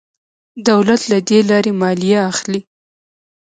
دولت له دې لارې مالیه اخلي.